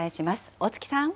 大槻さん。